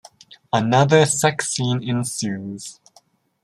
Another sex scene ensues.